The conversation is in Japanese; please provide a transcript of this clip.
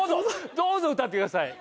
どうぞ歌ってください。